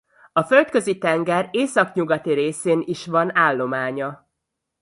A Földközi-tenger északnyugati részén is van állománya.